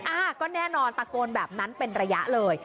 อ่าก็แน่นอนตะโกนแบบนั้นเป็นระยะเลย